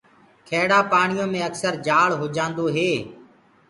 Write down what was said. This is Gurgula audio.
کيڙآ پآڻيو مي اڪسر جآݪ هوجآندو هي۔